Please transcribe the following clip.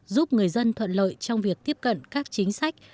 giúp người dân thuận lợi trong việc tiếp cận các chính sách